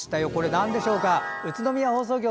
なんでしょうか？